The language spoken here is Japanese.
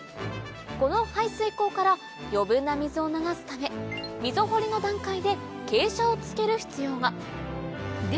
この排水口から余分な水を流すため溝掘りの段階で傾斜をつける必要がで